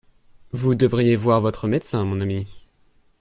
Vous devriez voir votre médecin, mon ami.